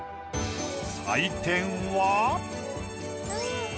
採点は？